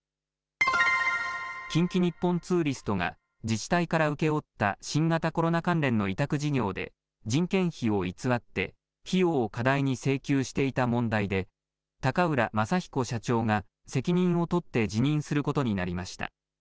近畿日本ツーリストが自治体から請け負った新型コロナ関連の委託事業で人件費を偽って費用を過大に請求していた問題で高浦雅彦社長が責任を取って辞任することになりました。